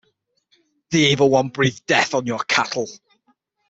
The Evil One breathe death on your cattle!